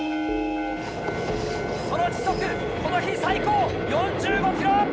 その時速この日最高４５キロ！